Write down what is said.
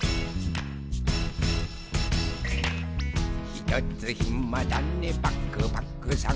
「ひとつひまだねパクパクさん」